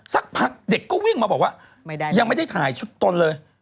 สักพักเด็กก็วิ่งมาบอกว่ายังไม่ได้ถ่ายชุดตนเลย